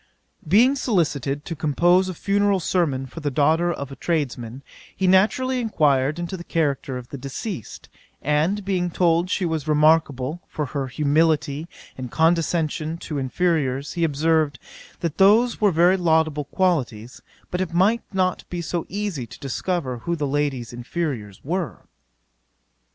" 'Being solicited to compose a funeral sermon for the daughter of a tradesman, he naturally enquired into the character of the deceased; and being told she was remarkable for her humility and condescension to inferiours, he observed, that those were very laudable qualities, but it might not be so easy to discover who the lady's inferiours were.